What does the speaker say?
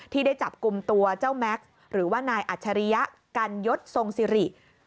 ที่ได้จับกลุ่มตัวเจ้าแม็กซ์หรือว่านายอัจฉริยะกันยศทรงสิริ